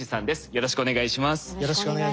よろしくお願いします。